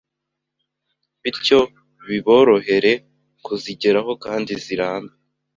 bityo biborohere kuzigeraho kandi zirambe,